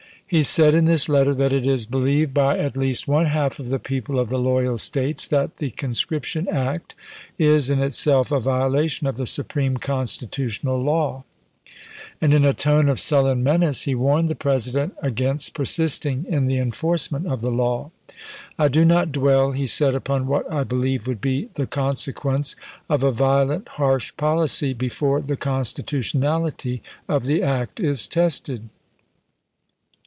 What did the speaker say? He said in this letter that " it is believed by 1863. THE LINCOLN SEYMOUR CORRESPONDENCE 33 at least one half of the people of the loyal States that the conscription act ... is in itself a violation of the supreme constitutional law "; and in a tone of sullen menace he warned the President against per sisting in the enforcement of the law. " I do not dwell," he said, " upon what I believe would be the consequence of a violent, harsh policy, before the constitutionality of the act is tested.